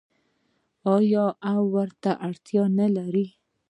آیا او ورته اړتیا نلرو؟